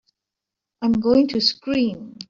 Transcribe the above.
I'm going to scream!